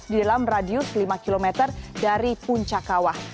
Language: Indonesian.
di dalam radius lima km dari puncak kawah